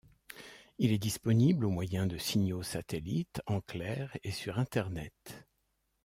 Il est disponible au moyen de signaux satellite en clair et sur Internet.